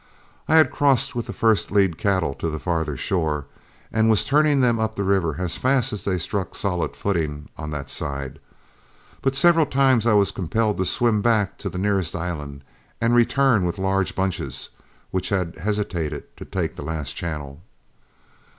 I had crossed with the first lead cattle to the farther shore, and was turning them up the river as fast as they struck solid footing on that side. But several times I was compelled to swim back to the nearest island, and return with large bunches which had hesitated to take the last channel.